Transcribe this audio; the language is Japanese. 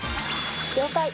「了解！」